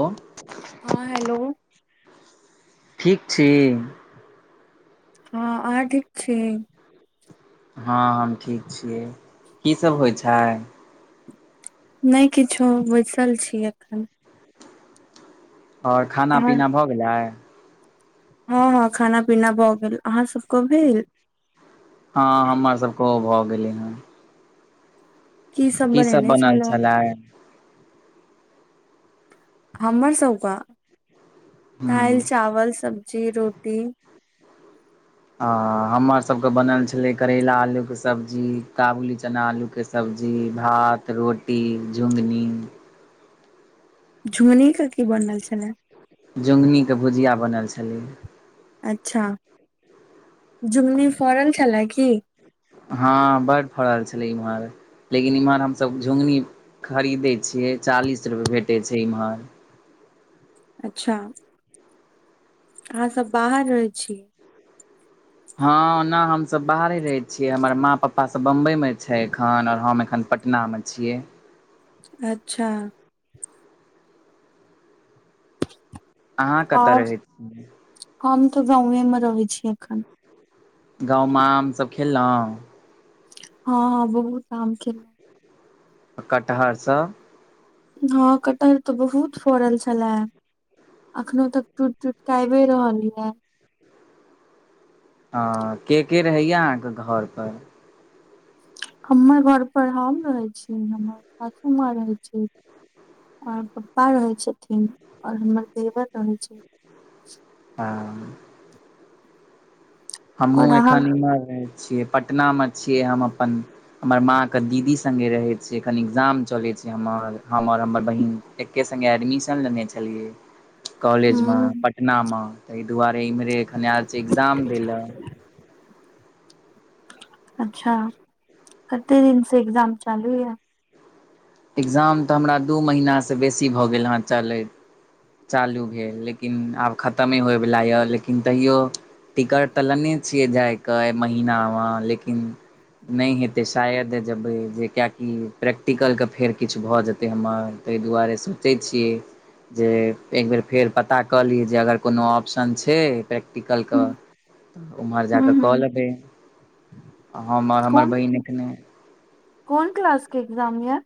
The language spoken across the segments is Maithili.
ओ हँ हेलो ठीक छी हँ अहाँ ठीक छी हँ हम ठीक छियै की सब होइ छै नय किच्छो बैसल छी एखन और खाना अहाँ पीना भऽ गेलय हँ हँ खाना पीना भऽ गेल अहाँ सभके भेल हँ हमर सबके ओ भए गेलै हन की सब बनल छलय हमर सबक हूँ दायल चावल सब्जी रोटी अ हमर सबके बनल छलय करेला आलू के सब्जी काबुली चना आलू के सब्जी भात रोटी झुगनी झुगनी के की बनल छले झुगनीके भुजिया बनल छलै अच्छा जुमनी फरल छलै की हँ बड फड़ल छलइ इम्हर लेकिन इमहर हमसब झु गनी खरीदै छियै चालीस रुपए भेटै छै एमहर अच्छा अहाँ सब बाहर रहय छी हँ ओना हम सब बाहरे रहय छियै हमर माँ पपा सब बंबई में छय एखन और हम एखन पटना नाम छियै अच्छा आहाँ कतय आओर रहै छियै हम तऽ गाँउएँ में रहै छी एखन गाँव मं आम सब खेलँउ ह ह बहुत आम खेल कटहर सभ हँ कटहर तऽ बहुत फड़ल छलए अखनो तक टूट टूट केऽ आइबेरहल ये हँ के के रहैया अहाँके घर पर हमर घरपर हम रहैत छी हमर सासु माँ रहै छै और पप्पा रहे छथिन और हमर देवर रहे छै। आ। और हमहूँ अहाँ एखन एम्हर रह छियै पटनामे छियै हम अपन हमर माँ के दीदी सङ्गे रहै छै कनि एजाम चलै छै हमर हम आओर हमर बहन एके संघे एडमिशन लेने छलियै कॉलेज मे ह पटना मे ताहि दुआरे इम्हरे एखन आर एग्जाम दै ल अच्छा कते दिन से एकग्जाम चालू य एग्जाम तऽ हमरा दू महिनासँ बेसी भऽ गेल हँ चलैत चालू भेल लेकिन आब खतमे होयवला यै लेकिन तैओ टिकट तऽ लेने छियै जा के महीना मे लेकिन नहि हेतै शायद जब जे कियकि प्रैक्टिकलके फेर किछु भऽ जेतै हमर ताहि दुआरे सोचै छियै जे। त एकबेर फेर पता कऽ लियै जे अगर कोनो ऑप्शन छै प्रै टिकल ह कऽऽ उम्हर जा कऽ ह कलेबई हम हमर कोन बहिन एखने कोन क्लस के एग्जाम य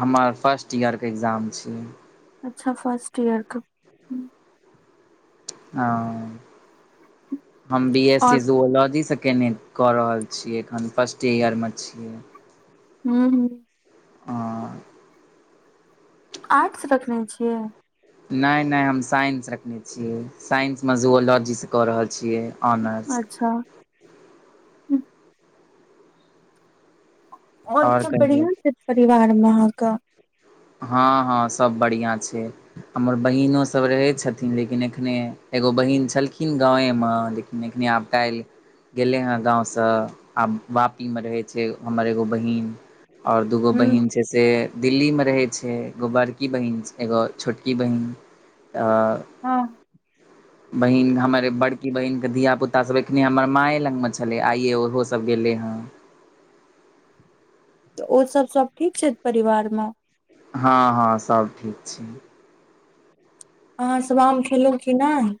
हमर फर्स्ट ईयरके एग्जाम छियै अच्छा फर्स्ट ईयरके हं हम बी एस और सी जुलॉजी से केने कऽ रहल छियै एखन फर्स्टे ईयरमे छियै हूँ हूँ अं आर्ट्स रखने छियै नय नय हम साइंस रखने छियै साइंसमे जुओलॉजीसँ कऽ रहल छियै ऑनर्स अच्छा और आओर सब कहियौ बढ़िया छै परिवार में अहाँक हँ हँ सब बढ़ियाँ छै हमर बहिनोसभ रहैत छथिन लेकिन एखने एगो बहीन छलखिन गाँएमे लेकिन नीकिन टाल [unintelligible] गेलै हँ गाँव सँ आब वापी मे रहै छै हमर एगो बहिन और दूगो ह बहिन छै से दिल्ली मे रहे छै एगो बड़की छै बहिन एगो छोटकी बहिन त हँ ह बहिन हमर बड़की बहिनके धिया पुता सब एखने हमर माये लगमे छलै आइए ओहोसब गेलै हँ तऽ ओ सब सब ठीक छइथ परिवारमें हँ हँ सब ठीक छै अहाँ सब आम खेलहु की नहि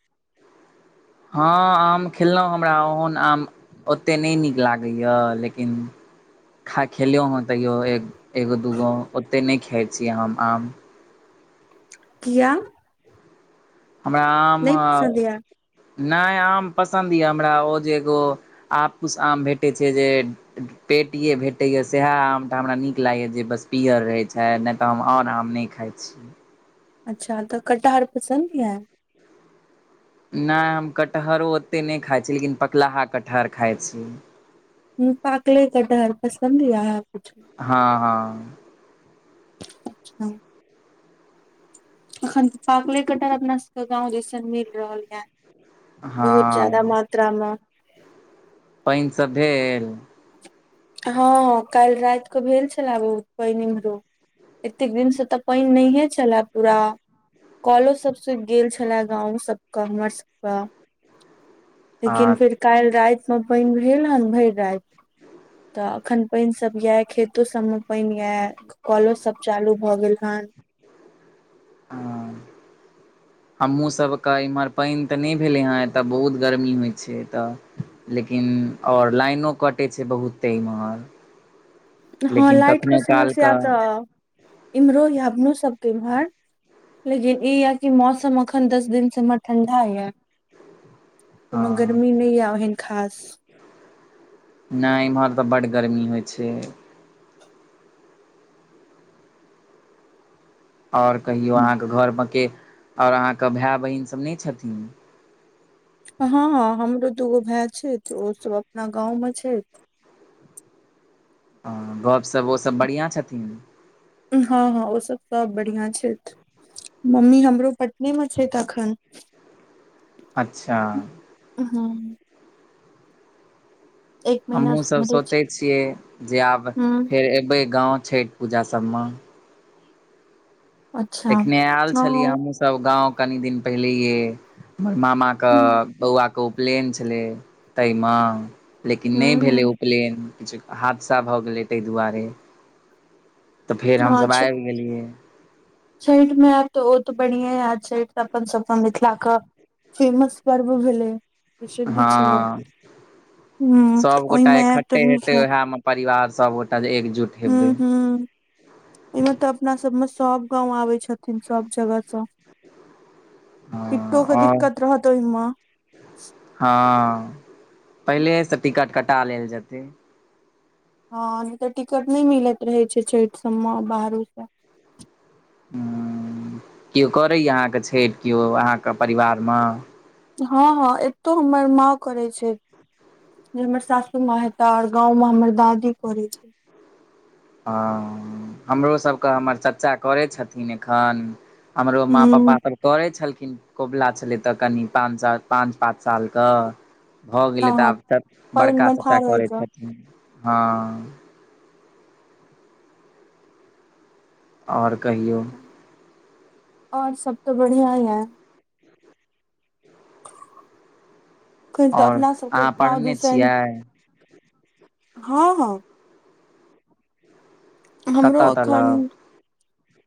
हँ आम खेलौं हमरा ओहन आम ओतेक नइ नीक लागइ य लेकिन खा खेलौ हं तैओ एक एगो दूगो ओते नइ खाइ छी हम आम किया हमरा आम नहि पसन्द य नय आम पसन्द यऽ हमरा ओ जे एगो आब कुश आम भेटय छै जे पेटिये भेटैए सैहै आमटा हमरा नीक लागैए जे बस पीयर रहैत छै नय तऽ हम आओर आम नय खाइ छि अच्छा तऽ कटहर पसन्द यै नई हम कटहरो ओतेक नै खाइत छी लेकिन पकलाहा कटहर खाइ छी पाकले कटहर पसन्द य है कुछु हँ हँ अच्छा अखन त पाकले कटहर अपना सब के गाँउ दिसन मिल रहल य बहुत ज्यादा हँ मात्रा मे पाएन सब भेल हँ काल्हि राइत क भेल छलै बहुत पाएन इम्हरो एतेक दिन से तऽ पाएन नै हे छलए पूरा कॉलो सब सुइख गेल छले गाँंव सबके हमर सबके लेकिन आ फेर काल्हि राति मे पाएन भेल हन भैर राईत तऽ अखन पाएन सब यए खेतो सबमे पाएन यए कलो सब चालू भऽ गेल हन आ हमहूँ सब क इम्हर पाएन तऽ नहि भेलै हेँ एतऽ बहुत गर्मी होइ छै एतऽ लेकिन आओर लाइनो कटै छै बहुते इम्हर हँ लेकिन लइट क कखनो काल समस्या कऽ तऽ इम्हरो या अपनो सबके इम्हर लेकिन ई य कि मौसम अखन दस दिन स हम्हर ठंडा य कोनो हँ गर्मी नै यए ओहन खास नै एम्हर तऽ बड्ड गरमी होइ छै ओर कहियो अहाँके घरमे के आउर अहाँके भाय बहिन सब नहि छथिन हँ हँ हमरो दूगो भेयै छै ओ सब अपना गाँव मे छै हँ गपशप ओसब बढ़िआँ छथिन हँ हँ ओसब त बढ़िआँ छथि मम्मी हमरो पटने मे छै तखन अच्छा हू एक महीना से हमहुँसभ उम्हरे छै सोचै छियै जे आब हूँ फेर एबै गाँव छठि पूजा सम अच्छा एखने एयल हँ छलियै हूँ हमँहु सब गाँव कनि दिन पहिलेेइए हमर मामा के हूँ बौआ के उपलेन छलै ताहिमे लेकिन नहि भेलै हूँ उपलेन किछु हादसा भऽ गेलै ताहि दुआरे तऽ फेर हमसभब अच्छा आबि गेलियै छठि मे आयब तऽ ओ तऽ बढ़ियें छठि तऽ अपन सब अपन मिथिला क फेमस पर्व भेलै प्रसिद्ध हँ छै ओ ह सभगोटा ओहिमे आयब तऽ इकट्ठे नीक हेतै हैत उएहमे परिवार सभगोटा जे एकजुट ह हेबै ह इमे तऽ अपना सबमे सब गाँंव आबे छथिन सब जगह स हँ टिक्टो के आओर दिक्कत रहतओहि मे हँ पहिलेसँ टिकट कटा लेल जेतै हँ नहि तऽ टिकट नहि मिलैत रहे छै छैठ सबमे बाहरो से किओ करैए अहाँके छैठ केओ अहाँके परिवारमे हँ हँ एतौ हमर माँ करै छै जे हमर सासू म हता आर गाँंवं हमर दादी करै छै हँ हमरोसभके हमर चर्चा करै छथिन एखन हमरो मा पप्पा हूं करै छलखिन कोबला छलै तऽ कनि पाँच साल पाँच पाँच साल के भऽ हँ गेलै तऽ हँ आब तऽ पानि बड़का मे चचा ठाढ़ होय करै कऽ छथिन हँ ओर कहियौ आओर सबत बढ़िया यै खन तऽ आओर अपना सबके अहाँ गाँव पढ़ने दिसन छियै हँ हँ हमरो कतय एखन तलक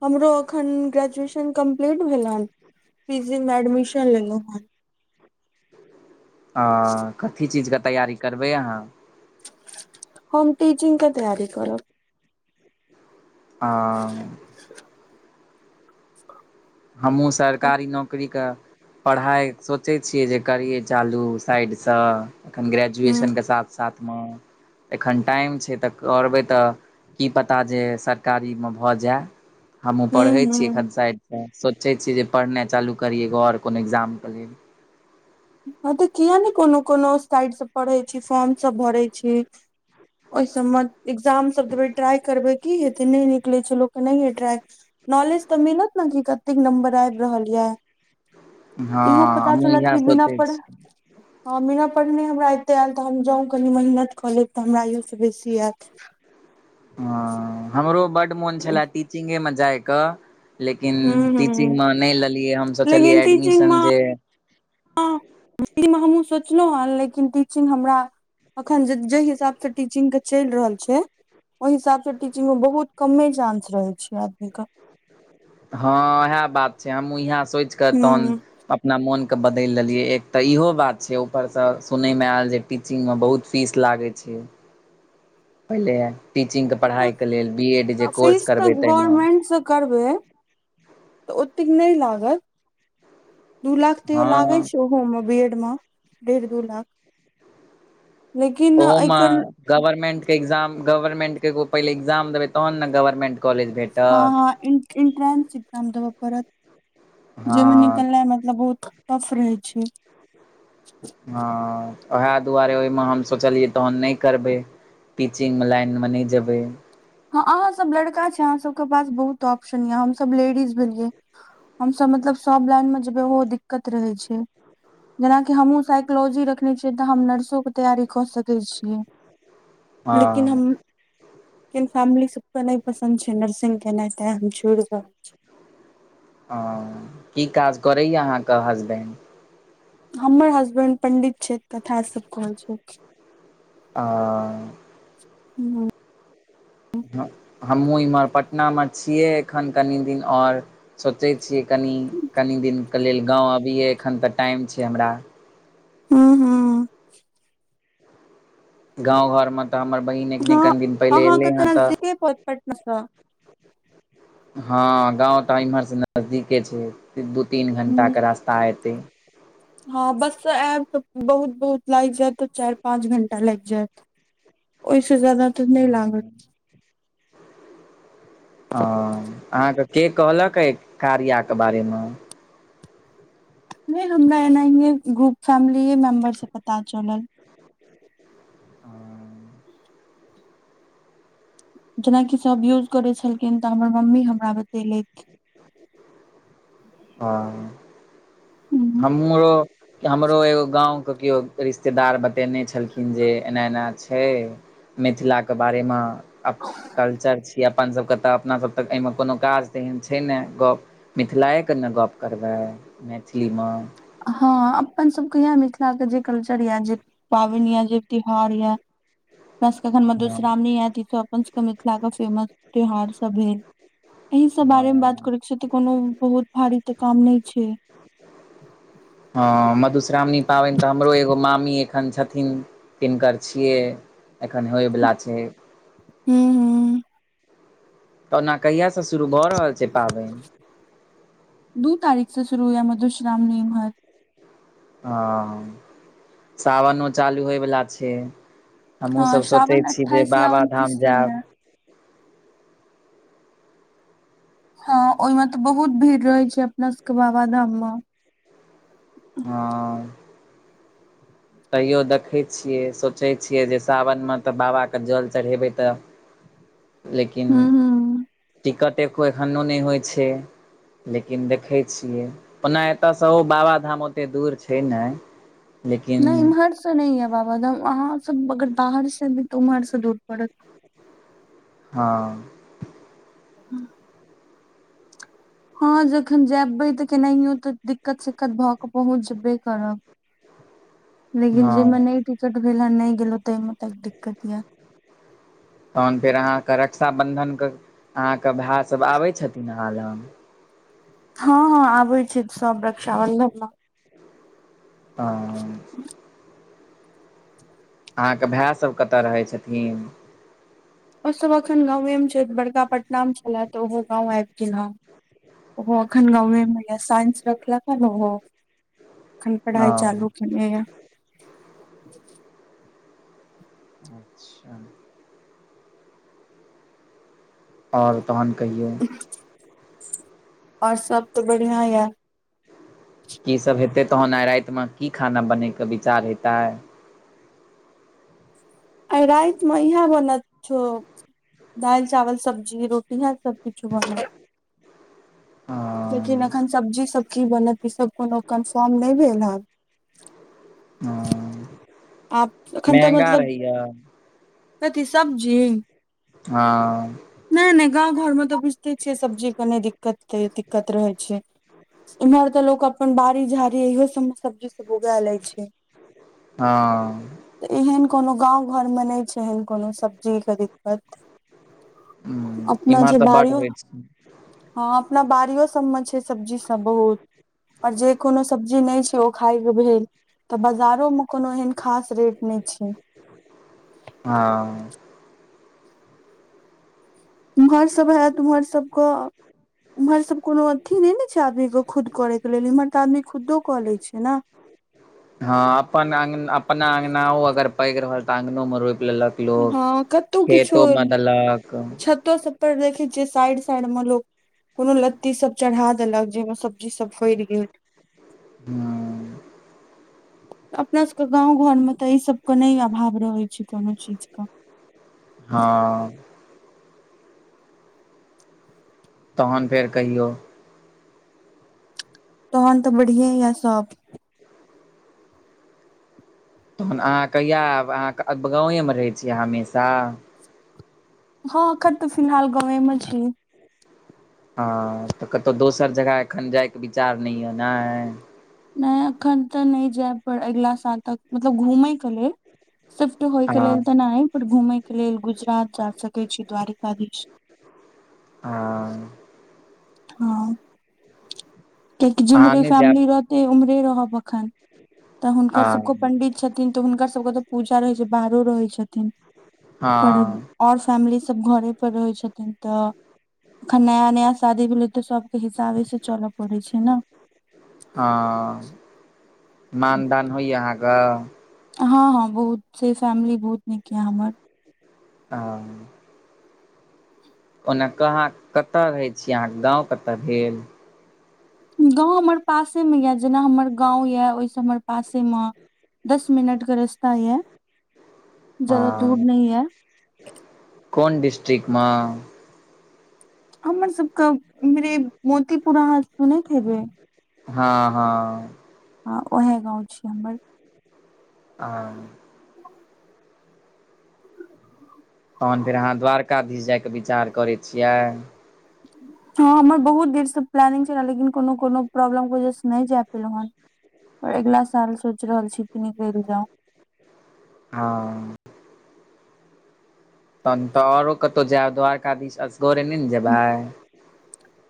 हमरो एखन ग्रेजुएशन कम्प्लीट भेल हन पीजी में एडमिशन लेलेहु हन हं कथी चीजके तैयारी करबै अहाँ हम टीचिंग के तैयारी करब हं [inaudible] हमहुँ सरकारी नौक करीक पढ़ाइ सोचै छियै जे करियै चालू साइडसँ एखन हूँ ग्रेजुएशनके साथ साथ मं एखन टाइम छै तऽ करबै तऽ की पता जे सरकारी में भऽ जाय हमहु हूँ पढ़ै छी हूँ एखन साइडसँ सोचै छी जे पढ़ना चालू करिय आओर कोनो एक्जाम के लेल हँ तऽ किया नय कोनो कोनो साइड स पढ़ै छी फॉर्म सब भरय छी ओहि सबमे एग्जाम सब देबै ट्राइ करबै की हेतै नय निकलै छै लोक एनाहिये ट्राइ नॉलेज तऽ मिलत न की कत्ते नंबर आइब रहल ये हँ इहो पता हमहूँ चलत इएह कि बिना सोचै पढ़ छी हँ बिना पढ़ने हमरा एते एल तऽ हम जउ कनि मेहनत कऽ लेब तऽ हमरा इयो स बेसी एत हं हमरो बड्ड मोन छलए टीचिंगेमे जायक लेकिन हूँ हूँ टीचिगमे नइ लेलियै हम लेकिन सोचलियै टीचिंग एडमिशन जे अहीमे हमहूँ सोचलहुँ हन लेकिन टीचिंग हमरा अखन जहि हिसाब स टीचिंग के चइल रहल छै ओहि हिसाब स टीचिंग में बहुत कमे चांस रहय छै आदमी क हँ उएह बात छै हमूँ इएह सोचि क तहन हूँ अपना मोन के बदल लेलीयै एक त इहो बात छै ऊपर से सुनय मे आयल जे पी चिंग में बहुत फीस लागै छै पहिले टीचिंग के पढ़ाइ के लेल बी एड जे कोर्स करबै तइम स करबै त ओतेक नय लागत दू लाख तैयो लागै हँ छै होम बी एड मं डेढ दू लाख लेकिन ओहो मां एकर गवर्मेंट के एग्जाम गवर्मेंट के एगो पहिले एग्जाम देबे तहन न गवर्मेंट हँ हँ इन इन्ट्रेस एग्जाम देब पड़त जइ में हँ निकलनाइ मतलब बहुत टफ रहय छै हँ ओहे दुआरे ओहिमे हम सोचलियै तहन नय करबै टीचिंग लाइन मे नय जेबै हँ अहाँ सब लड़का छै अहाँ सबके पास बहुत ऑप्शन यऽ हमसब लेडीज भेलियै हमस मतलब सब लाइन में जेबै ओहो दिक्कत रहय छै जेनाकि हमहु साइकोलॉजी रखने छियै तऽ हम नर्सो के तैयारी कऽ सकै छियै लेकिन हँ हम किन फैमिली सबके नय पसन्द छै नर्सिंग केनाइ तैं हम छोड़ रहल छी हं की काज करैय य अहाँके हसबैंड हमर हसबैंड पंडित छै कथा सब कहे छै [unintelligible] [unintelligible] हमहूँ इम्हर पटना मे छियै एखन कनि दिन और सोचैत छियै कनि कनि दिन के लेल गाँव अबियै एखन त टाइम छै हमरा [unintelligible] गाँव घरमे त हमर बहिन एखनी हँ कनि दिन पहिले अहाँके एलै हँ त [unintelligible] [unintelligible] हँ गाँव त इन्हर सँ नजदीके छै दू तीन घण्टा हूँ के रास्ता एतै हँ बस त आइब त बहुत बहुत लाइग जायत चार पाँंच घंटा लाग जायत ओ स ज्यादा त न हँ लागत हँ अहाँके के कहलक ए कार्या के बारे मे हमरा एनाहिए ग्रुप फैमिली मेम्बर से पता चलल जेनाकि सभ यूज करे छलखिन त हमर मम्मी हमरा बतेलैथ ह हम्म, हमरो हमरो एगो गाँंव के केओ रिश्तेदार बतेने छलखिन कहलखिन जे एना एना छै मिथिलाके बारे मे आ कल्चर छीयै अपन सभके त अपना सभ त एहिमे कोनो काज तेहन छै नहि गप मिथिला ए क न गप करबै [unintelligible] हँ अपन सबके मिथिला के जे कल्चर यए जे पाबन ये जे त्यौहार ये हम सबके अखन हँ मधुश्रावणी आयत ई अपन सबके मिथिला क फेमस त्यौहार सब है एहि सब बारे मे बात हँ करे के छै त कोनो बहुत भारी त काम नहि छै हँ मधुश्रावणी पाबन त हमरो एगो मामी एखन छथिन तिनकर छियै एखन होइवला छै [unintelligible] त ओना कहियासँ शुरू भ रहल छै पाबइन दू तारीखसँ शुरू य मधुश्रावणी इम्हर ह ह [inaudible] सावनो चालू होइवला छै हमहूँ हँ सभ सोचै सावन छी जे अट्ठाइस या उनतीस बाबाधाम से जायब ये हँ ओहिमे तऽ बहुत भीड़ रहै छै अपना सबके बाबा धाम मे ह तैयो देखैत छियै सोचै छियै जे सावनमे तऽ बाबाके जल चढ़ेबै तऽ लेकिन हूं हूं [inaudible] टिकट एको एखनो नहि होइ छै लेकिन देखै छियै ओना एतयसँ ओ बाबाधाम ओते दूर छै ने नहि इम्हर से नहि य बाबा धाम अहाँ सब अगर बाहर से एबै तऽ उम्हर से दूर पड़त हँ [inaudible] हँ जखन जयबै तऽ केनाहियो तऽ दिक्कत सिक्कत भऽ कऽ पहुँचबे जैबे करब [inaudible] लेकिन हँ जाहिमें नहि टिकट भेल ह नहि गेलो तेमे त दिक्कत य तहन फेर अहाँके रक्षाबन्धनके अहाँके भाई सब आबै छथिन अहाँ ल हँ हँ आबे छै सब रक्षाबंधन मे [unintelligible] ह [inaudible] अहाँके भै सब कत रहै छथिन ओ सब अखन गांउये मे छइथ बड़का पटना में छलए तऽ ओहो गाँंव आइब गेल हं ओ अखन गाँव में यै साइंस रखलक हन ओहो अखन पढ़ाइ हँ चालू ने अच्छा ओर तहन कहियौ ओर सब तऽ बढ़िआ यै की सब हेतै तहन आइ राइत में की खाना बनयके विचार हेतै आइ राइत मे इहे बनत छो दाइल चावल सब्जी रोटी इहे सबकिछो बनत हं लेकिन अखन सब्जी सब की बनत ई सब कोनो कन्फर्म नइ भेल हन हँ आब एखन तऽ मतलब या कथी सब्जी हँ नय नय गाँंव घर में तऽ बुझिते छियै सब्जी के नय दिक्कत दिक्कत रहै छै इम्हर तऽ लोक अपन बाड़ी झाड़ी इहो सब में सब्जी सब उगा लय छै हँ तऽ एहन कोनो गाँंव घर में नय छै एहन कोनो सब्जी के दिक्कत अपना इम्हर जे तऽ बड बारियो होइ छै हँ अपना बाड़ियो सबमे छय सब्जीसब बहुत ओर जे कोनो सब्जी नय छै ओ खायके भेल तऽ बजारो में कोनो एहन खास रेट नय छै हँ उम्हर सब होयत उम्हर सबके उम्हर सब कोनो अथी नय ने छै आदमी के खुद करे के लेल इम्हर तऽ आदमी खुदो कऽ लै छै न हँ अपन अंग अपना अङगनाओ अगर पैघ रहल तऽ अङ्गनो मे रोइप लेलक लोक हँ खेतो मदलक सत सप्पर देखै छिय साइड साइड मं लोक कोनो लत्ती सब चढ़ा देलक जहिमे सब्जी सब फइड़ गेल हँ अपनासबके गाँव घरमे तऽ एहिसबके नय अभाव रहैत छै कोनो चीजके हँ तहन फेर कहियौ तहन तऽ बढ़िआ या सब तहन अहाँ कहिआ एब अहाँक गाँवए में रहै छी हमेशा हँ अखन तऽ फिलहाल गाँवे में छी हँ तऽ कतौ दोसर जगह एखन जायके विचार नय यए न नय अखन तऽ नय जैब पड़ अगिला साल तक मतलब घूमय के लेल स फ्ट होय के हँ लेल तऽ नय पर घूमय के लेल गुजरात जा सकै छी द्वारिकाधीश हां हँ किआकी अहाँ जिम्हरे नहि जायब फैमिली रहते उम्हरे रहब अखन तऽ हुनकर सबके हँ पंडित छथिन तऽ हुनका सबके तऽ पूजा रहै छैय बाहरो रहै छथिन पर हँ आओर फैमली सब घरे पर रहै छथिन तऽ एखन नया नया शादी भेलै तऽ सब के हिसाबे से चलऽ पड़ै छै न हँ मानदान होइए अहाँके हँ हँ बहुत से सैमिली बहुत नीक य हमर आ ओना कहाँ कतय रहै छी अहाँ गाँव कतऽ भेल गाँव हमर पासे मे यए जेना हमर गाँव यए ओहिसँ हमर पासेमे दस मिनट क रस्ता य जयदा दूर हँ नैय य कोन डिस्टिक मऽ हमर सबके मिरे मोतीपुर आहां सुनैत हेबै हँ हँ ह ओएहे गाँव छै हमर आ [inaudible] तहन फेर अहाँ द्वारकाधीश जायके विचार करै छियै हँ हमर बहुत देरसँ प्लानिंग छलै लेकिन कोनो कोनो प्रॉब्लम के वजह से नहि जाय पेलहु हेँ पर अगिला साल सोच रहल छी की निकल जाउ हँ तहन तऽ आओरो कतहु जायब द्वारकाधीश असगरे नै न जेबै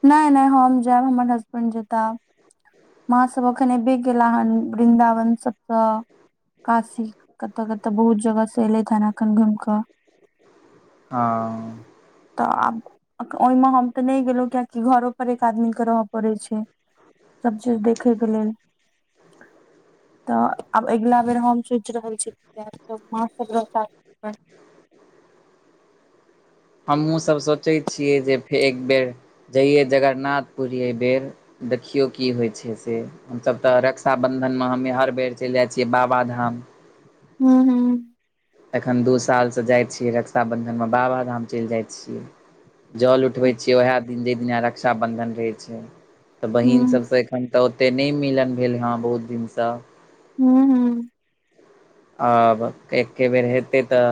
नै नै हम जायब हमर हसबैंड जेता माँ सब अखन अबे केला हन वृन्दावन सबसँ काशी कतऽ कतऽ बहुत जगह से एलै [unintelligible] एखन घुमि कऽ ह तऽ आब ओहिमे हम तऽ नहि गेलहुं कियेकि घरो पर एक आदमी के रह पड़ै छैय सब चीज देखैके लेल तऽ आब अगिला बेर हम सोचि रहल छी हूँ हमहहुँ सब सोचै छियै जे फे एक बेर जइयै जगरनाथपुरी एहि बेर देखियौ की होइ छैय से हमसभ तऽ रक्षाबन्धन मे हमे हर बेर चलि जाइ छियै बाबाधाम हू हू एखन दू सालसँ जाइत छियै रक्षाबन्धनमे बाबाधाम चलि जाइ छियै जल उठबै छियै उएह दिन जेइ दिना रक्षाबन्धन रहै छैय तऽ बहिन हूँ सभसँ एखन तऽ ओते नहि मिलन भेल हे बहुत दिनसँ हू हू आब एके बेर हेतै तऽ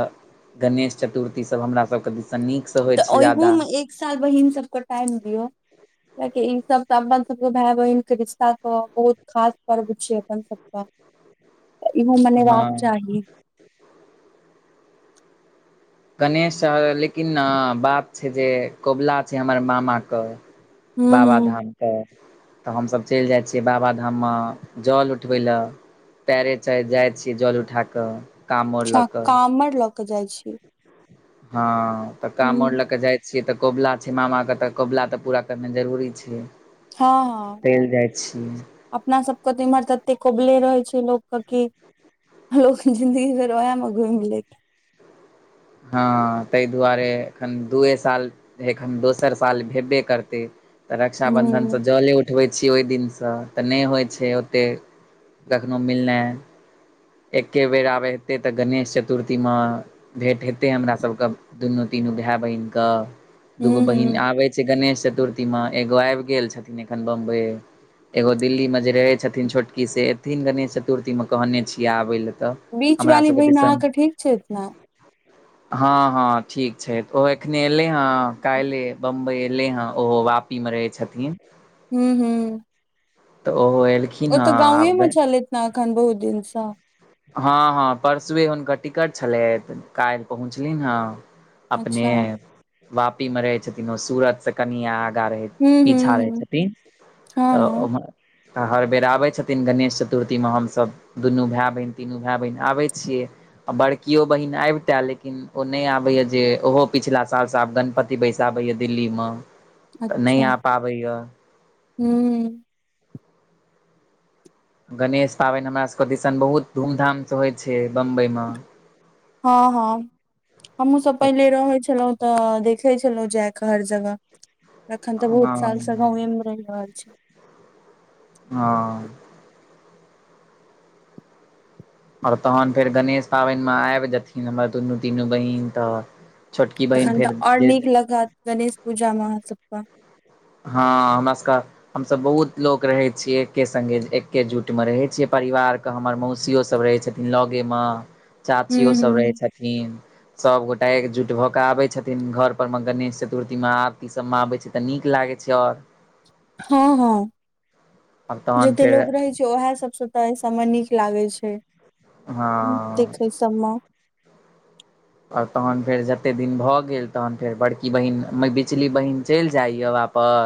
गणेश चतुर्थीसभ हमरासभके दिसँ नीक तऽ ओहियो में एक साल बहिन सबके टाइम दियौ कियाकि ई सब तऽ अपन सबके भाय बहिनक के रिश्ता क बहुत खास पर्व छीयै अपन सबके इहो मेनेबाक हँ चाही गणेश सर लेकिन न बाप छैय जे कबुला छैय हमरा मामाके हूँ हूँ बाबाधाम तऽ तऽ हमसभ चलि जाइ छियै बाबाधाममे जल उठबै लए पैरे च जाइ छीयै जल उठा कऽ कामोर लऽ छा कऽ कामड़ लऽ के जाइ छी हँ तऽ हूँ कामड़ ल क जाइ से तऽ कोबला छै मामाके तऽ कोबला तऽ पूरा करनाइ जरूरी छै हँ हँ चलि जाइ छियै अपना सबके तऽ इम्हर तऽ एते कोबले रहै छै लोकके क लोक जिन्दगी भइर ओहय में घुइम लेत हँ तहि दुआरे एखन दूए साल एक हम दोसर साल भेबे करते तऽ रक्षा हूँ बंधन से जले उ उठबै छी ओइ दिनसँ तऽ नय होइ छै ओतेक कखनो मिलनाइ एके बेर आब हेतै तऽ गणेश चतुर्थी मं भेंट हेतै हमरा सबके दुनू तीनू भय बहिनक दू गो हूँ बहिन हूँ आबै छय गणेश चतुर्थीमे एगो आइब गेल छथिन एखन बम्बई एगो दिल्ली में जे रहै छथिन छोटकी से एथिन गणेश चतुर्थीमे कहने छियै आबय लेए तऽ बीच हमरा वाली सभके बहिन दिसन अहाँके ठीक छइथ ने हँ हँ ठीक छैथ ओहो एखने एलेै हं काल्हि बम्बई एलै हं ओहो वापी मे रहै छथिन हूँ हूँ तऽ ओहोल ओ तऽ गांवे मे छलैथ न अखन बहुत दिनसँ हँ हँ परसुए हुनकर टिकट छलइथ काल्हि पहुँचलिन हं अपने अच्छा वापी मे रहय छथिन ओ सूरत स कनि आगा रहे हूँ छै हूँ पीछा रहै हूँ छथिन हँ तऽ हँ ओ तऽ हर बेर आबै छथिन गणेश चतुर्थीमे हमसब दुनू भय बहिन तीनू भय बहिन आबै छियै आ बड़कियो बहिन आइबतए लेकिन ओ नय आबया जे ओहो पिछिला सालसँ आब गणपत ती बैसाबैया दिल्ली मं अच्छा हूँ गणेश पाबइन हमरासबके दिसन बहुत धूमधामसँ होइ छै बम्बइ मं हँ हँ हमहुँ सब पहिले रहय छलहुँं तऽ देख खे छलहु जय के हर जगह अखन तऽ बहुत हँ साल स गांवे मे रहि रहल छी हँ आओर तहन फेर गणेश पाबइन मे आइब जेथिन हमर दुनू तीनू बहीन तऽ छोटकी बहिन तखन फेर तऽ ओर जे नीक लगत गणेश पूजा मे अहाँ सबकअ हँ नमस्कार हमसब बहुत लोक रहैत छियै एके सङ्गे एकेजुटमे रहै छियै परिवार केऽ हमर मौसियोसब रहै छथिन लगेम मं हूँ चाचियोसब रहै हूँ छथिन सबगोटा एकजुट भऽ के आबे छथिन घर पर मे गणेश चतुर्थीमे आबती ई सब मे आबे छै तनी लागै छै आओर हँ हँ आब तहन जेत फेर लोक रहै छै ओएह सबस तऽ एहि सब मे नीक लागे छै हँ देखय सबम ओर तहन फेर जतेक दिन भऽ गेल तहन फेर बड़की बहिन म बिचली बहीन चइल जाइए वापस